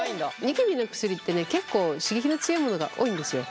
ニキビの薬ってね結構刺激の強いものが多いんですよ。